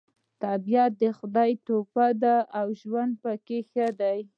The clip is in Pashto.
طبیعت د خدای تحفه ده او ژوند پکې ښه دی